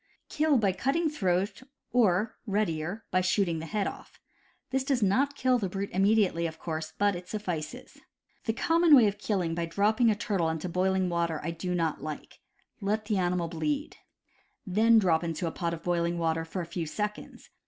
Kill by cutting throat or (readier) by shooting the head off. This does not kill the brute immediately, of course, but it suflSces. The common way of killing by dropping a turtle into boil ing water I do not like. Let the animal bleed. Then drop into a pot of boiling water for a few seconds.